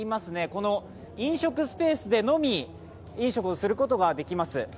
この飲食スペースでのみ、飲食をすることができます。